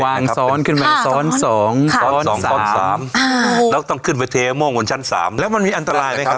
วางซ้อนขึ้นไปซ้อน๒ซ้อน๓แล้วก็ต้องขึ้นไปเทม่วงบนชั้น๓แล้วมันมีอันตรายไหมครับ